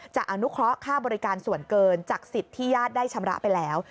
อนุเคราะห์ค่าบริการส่วนเกินจากสิทธิ์ที่ญาติได้ชำระไปแล้ว